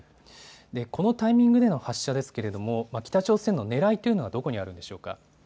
このタイミングでの発射ですが北朝鮮のねらいというのはどこにあるんでしょうか。